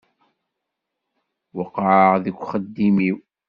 Weqɛeɣ deg uxeddim-iw.